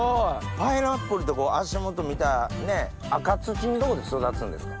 パイナップルって足元見たら赤土のとこで育つんですか？